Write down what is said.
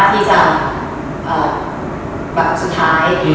ข่าวหน้าที่จะสุดท้าย